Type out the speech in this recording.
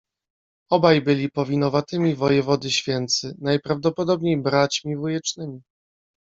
Obaj byli powinowatymi wojewody Święcy, najprawdopodobniej braćmi wujecznymi.